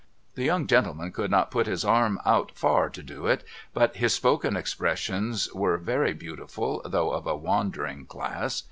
The young gentleman could not put his arm out far to do it, but his spoken expressions were very beautiful though of a wandering class.